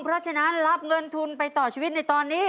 เพราะฉะนั้นรับเงินทุนไปต่อชีวิตในตอนนี้